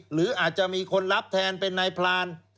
หรืออาจจะมีคนรับแทนเป็นนายพราน